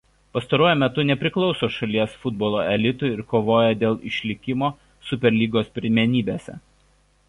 Pastaruoju metu nepriklauso šalies futbolo elitui ir kovoja dėl išlikimo Superlygos pirmenybėse.